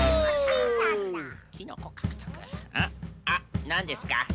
あっなんですか？